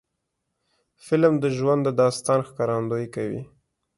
فلم د ژوند د داستان ښکارندویي کوي